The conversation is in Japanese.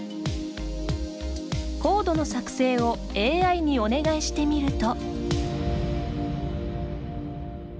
コードの作成をＡＩにお願いしてみると。